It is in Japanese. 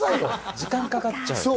時間かかっちゃう？